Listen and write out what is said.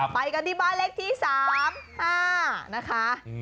ไปกันที่บ้านเลขที่๓๕นะคะ